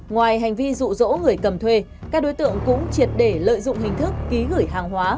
ngoài hành vi rụ rỗ người cầm thuê các đối tượng cũng triệt để lợi dụng hình thức ký gửi hàng hóa